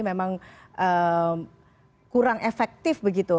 memang kurang efektif begitu